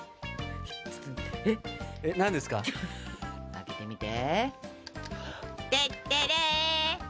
開けてみて。